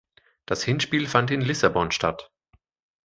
Das Hinspiel fand in Lissabon statt.